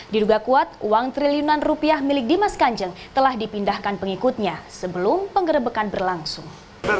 diduga kuat uang triliunan rupiah milik dimas kanjeng telah dipindahkan pengikutnya sebelum penggerebekan berlangsung